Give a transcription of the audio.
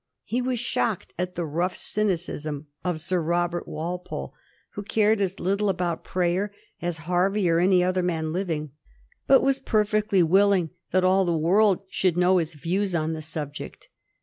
He was shocked at the rough cyn icism of Sir Robert Walpole, who cared as little aboat prayer as Hervey or any other man living, but was per fectly willing that all the world should know his views on the subject.